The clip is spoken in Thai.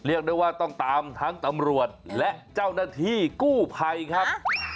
เรียกได้ว่าต้องตามทั้งตำรวจและเจ้าหน้าที่กู้ภัยครับ